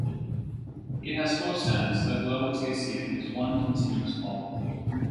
It has four stands, though the lower tier seating is one continuous bowl.